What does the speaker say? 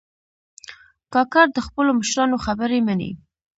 کاکړ د خپلو مشرانو خبرې منې.